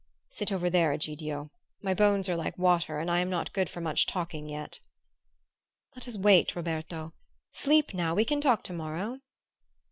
"Sit over there, Egidio. My bones are like water and I am not good for much talking yet." "Let us wait, Roberto. Sleep now we can talk tomorrow."